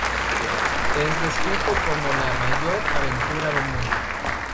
Es descrito como la "mayor aventura del mundo".